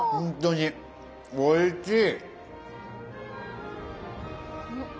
おいしい。